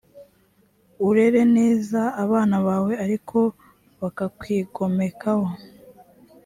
urere neza abana bawe ariko bakakwigomekaho